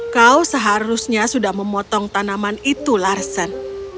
kau seharusnya sudah memotong tanaman itu larsen